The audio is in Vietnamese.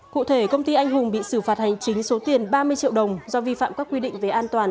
cụ thể công ty anh hùng bị xử phạt hành chính số tiền ba mươi triệu đồng do vi phạm các quy định về an toàn